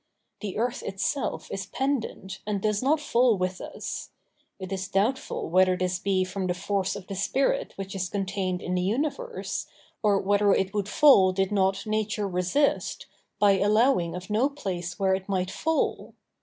The earth itself is pendent and does not fall with us; it is doubtful whether this be from the force of the spirit which is contained in the universe, or whether it would fall did not nature resist, by allowing of no place where it might fall.